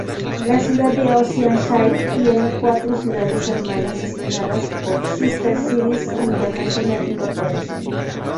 La ciudad de Oceanside tiene cuatro ciudades hermanas, designadas por Sister Cities International, Inc.